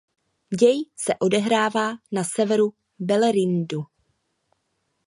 Děj se odehrává na severu Beleriandu.